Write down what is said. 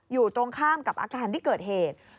อยู่ตรงข้ามกับอาคารที่เกิดเหตุ